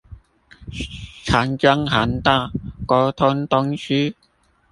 長江航道溝通東西